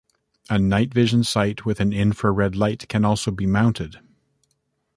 A night vision sight with an infra red light can also be mounted.